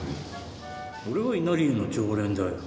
俺は稲荷湯の常連だよ。